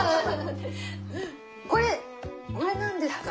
これこれ何ですか？